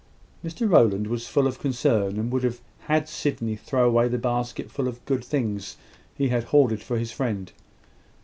Mr Rowland was full of concern, and would have had Sydney throw away the basketful of good things he had hoarded for his friend.